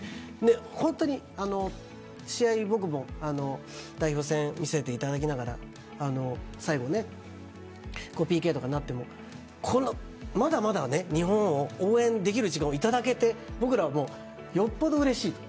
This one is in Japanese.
本当に試合、僕も代表戦見せていただきながら、最後ねＰＫになってもまだまだ日本を応援できる時間をいただけて僕らはよっぽどうれしいと。